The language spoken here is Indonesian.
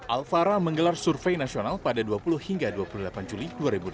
alvara menggelar survei nasional pada dua puluh hingga dua puluh delapan juli dua ribu delapan belas